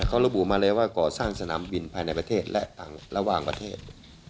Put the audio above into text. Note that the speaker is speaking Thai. เขาระบุมาเลยว่าก่อสร้างสนามบินภายในประเทศและระหว่างประเทศ